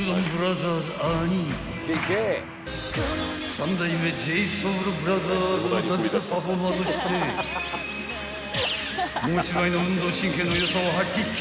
［三代目ＪＳＯＵＬＢＲＯＴＨＥＲＳのダンスパフォーマーとして持ち前の運動神経の良さを発揮っき］